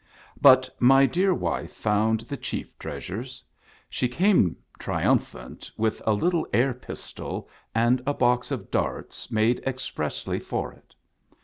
But my dear wife found the chief treasures. She came triumphant, with a little air pistol, and a box of darts made expressly for it.